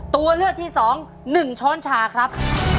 ตัวเลือกที่๒๑ช้อนชาครับ